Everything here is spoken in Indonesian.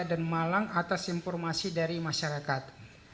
dan malang atas informasi dari masyarakat